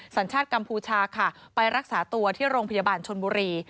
สัญชาติกัมพูชาค่ะไปรักษาตัวที่โรงพยาบาลชนบุรี